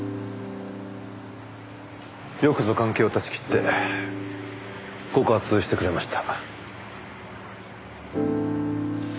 よくぞ関係を断ち切って告発してくれました。